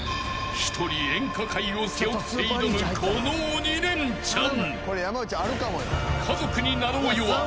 ［一人演歌界を背負って挑むこの鬼レンチャン］